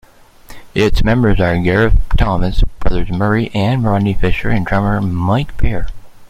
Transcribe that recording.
Its members are Gareth Thomas, brothers Murray and Rodney Fisher and drummer Mike Beehre.